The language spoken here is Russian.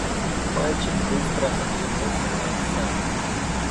Мальчик быстро оглянулся на отца.